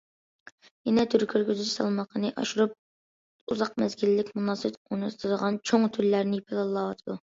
يەنە تۈر كىرگۈزۈش سالمىقىنى ئاشۇرۇپ، ئۇزاق مەزگىللىك مۇناسىۋەت ئورنىتىدىغان چوڭ تۈرلەرنى پىلانلاۋاتىدۇ.